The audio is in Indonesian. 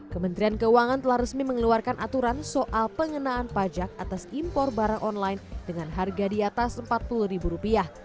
kementerian keuangan telah resmi mengeluarkan aturan soal pengenaan pajak atas impor barang online dengan harga di atas rp empat puluh